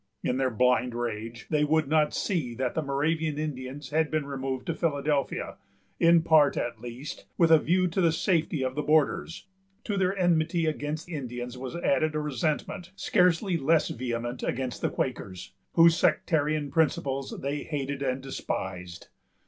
In their blind rage, they would not see that the Moravian Indians had been removed to Philadelphia, in part, at least, with a view to the safety of the borders. To their enmity against Indians was added a resentment, scarcely less vehement, against the Quakers, whose sectarian principles they hated and despised.